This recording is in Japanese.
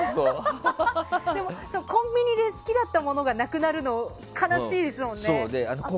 でも、コンビニで好きだったものがなくなるのって悲しいですもんね。